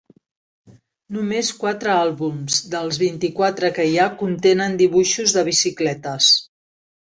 Només quatre àlbums, dels vint-i-quatre que hi ha, contenen dibuixos de bicicletes.